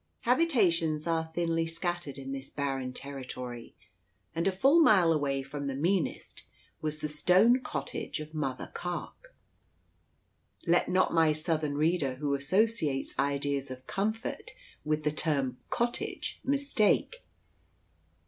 Habitations are thinly scattered in this barren territory, and a full mile away from the meanest was the stone cottage of Mother Carke. Let not my southern reader who associates ideas of comfort with the term "cottage" mistake.